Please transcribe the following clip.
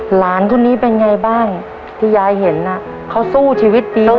หลานคนนี้เป็นไงบ้างที่ยายเห็นน่ะเขาสู้ชีวิตดี